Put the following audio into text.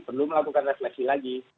perlu melakukan refleksi lagi